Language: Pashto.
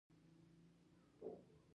اداري سلسله مراتب باید مراعات شي